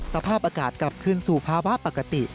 สภาพอากาศกลับคืนสู่ภาวะปกติ